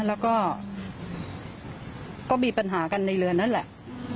แล้วก็มีปัญหากันในเรือนนั่นแหละ